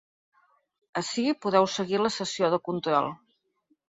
Ací podeu seguir la sessió de control.